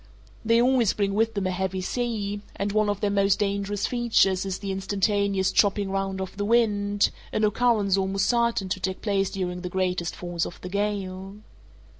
They always bring with them a heavy sea, and one of their most dangerous features is the instantaneous chopping round of the wind, an occurrence almost certain to take place during the greatest force of the gale.